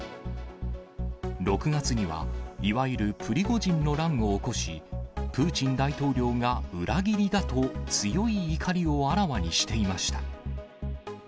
６月には、いわゆるプリゴジンの乱を起こし、プーチン大統領が裏切りだと、強い怒りをあらわにしていました。